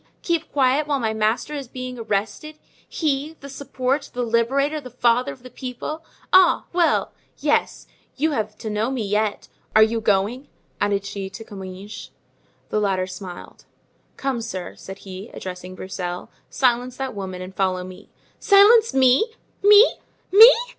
keep quiet while my master is being arrested! he, the support, the liberator, the father of the people! Ah! well, yes; you have to know me yet. Are you going?" added she to Comminges. The latter smiled. "Come, sir," said he, addressing Broussel, "silence that woman and follow me." "Silence me! me! me!"